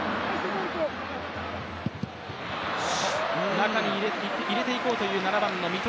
中に入れていこうという７番の三笘。